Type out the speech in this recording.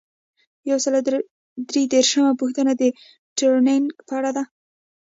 یو سل او درې دیرشمه پوښتنه د ټریننګ په اړه ده.